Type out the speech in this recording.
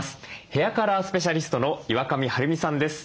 ヘアカラースペシャリストの岩上晴美さんです。